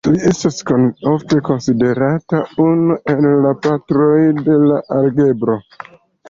Li estas ofte konsiderata unu el la patroj de algebro.